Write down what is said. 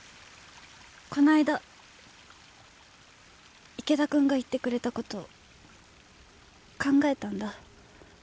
この間池田くんが言ってくれた事考えたんだ。